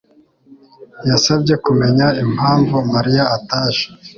yasabye kumenya impamvu Mariya ataje.